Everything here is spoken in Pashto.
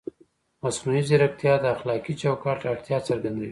مصنوعي ځیرکتیا د اخلاقي چوکاټ اړتیا څرګندوي.